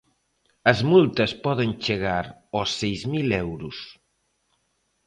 As multas poden chegar aos seis mil euros.